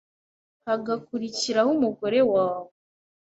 hagakurikiraho umugore wawe